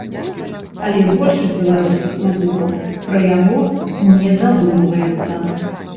Але большасць беларускіх музыкаў пра яго не задумваецца.